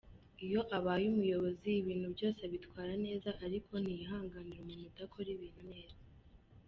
Iyo abaye umuyobozi ibintu byose abitwara neza ariko ntiyihanganira umuntu udakora ibintu neza.